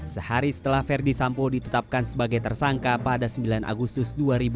sehari setelah verdi sambo ditetapkan sebagai tersangka pada sembilan agustus dua ribu dua puluh